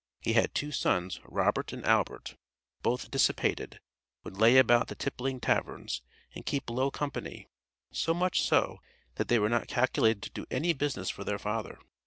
He had two sons, Robert and Albert, "both dissipated, would layabout the tippling taverns, and keep low company, so much so that they were not calculated to do any business for their father."